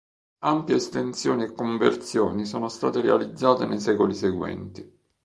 Ampie estensioni e conversioni sono state realizzate nei secoli seguenti.